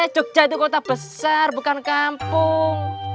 jogja itu kota besar bukan kampung